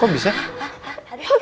udah bisingnya rena pak